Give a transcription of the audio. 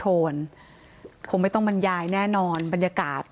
แต่มันถือปืนมันไม่รู้นะแต่ตอนหลังมันจะยิงอะไรหรือเปล่าเราก็ไม่รู้นะ